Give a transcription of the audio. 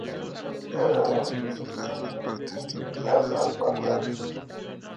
Hay intenciones de las dos partes, tanto de Lazio como de River.